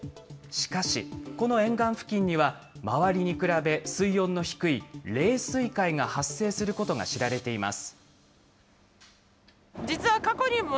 しかし、この沿岸付近には、周りに比べ、水温の低い冷水塊が発生することが知られています。